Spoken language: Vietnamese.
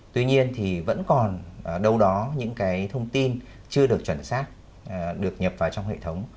tuy nhiên thì vẫn còn đâu đó những cái thông tin chưa được chuẩn xác được nhập vào trong hệ thống